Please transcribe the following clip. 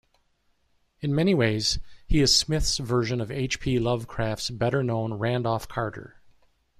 In many ways, he is Smith's version of H. P. Lovecraft's better-known Randolph Carter.